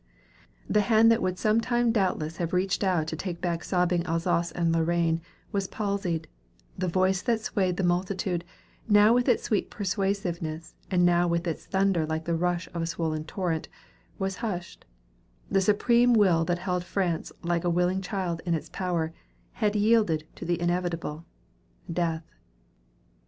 The hand that would sometime doubtless have reached out to take back sobbing Alsace and Lorraine was palsied; the voice that swayed the multitude, now with its sweet persuasiveness, and now with its thunder like the rush of a swollen torrent, was hushed; the supreme will that held France like a willing child in its power, had yielded to the inevitable, death.